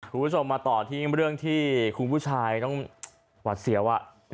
คุณผู้ชมมาต่อที่เรื่องที่คุณผู้ชายต้องหวัดเสียว